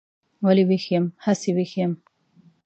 ولې ویښ یم؟ هسې ویښ یم.